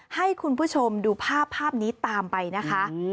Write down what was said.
ให้คุณผู้ชมดูภาพภาพนี้ตามไปนะคะ